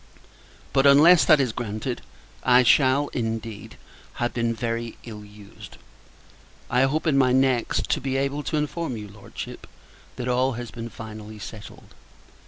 But, unless that is granted, I shall, indeed, have been very ill used! I hope, in my next, to be able to inform your Lordship that all has been finally settled.